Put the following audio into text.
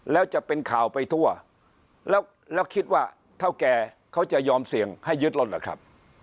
แล้วจะเป็นข่าวไปทั่วแล้วคิดว่าเท่าแก่เขาจะยอมเสี่ยงให้ยึดรถเหรอครับ